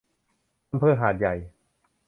อำเภอหาดใหญ่